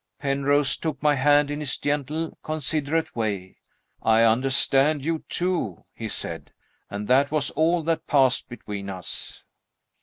Penrose took my hand, in his gentle, considerate way. 'I understand you, too,' he said and that was all that passed between us."